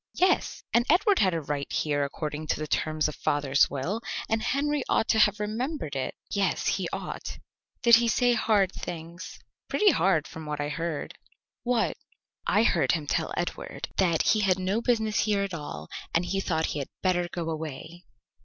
"Yes." "And Edward had a right here according to the terms of father's will, and Henry ought to have remembered it." "Yes, he ought." "Did he say hard things?" "Pretty hard from what I heard." "What?" "I heard him tell Edward that he had no business here at all, and he thought he had better go away."